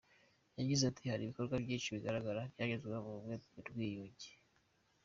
Yagize ati “Hari ibikorwa byinshi bigaragara byagezweho mu bumwe n’ubwiyunge.